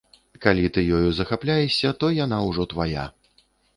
Калі ты ёю захапляешся, то яна ўжо твая.